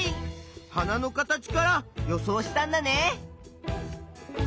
花の形から予想したんだね。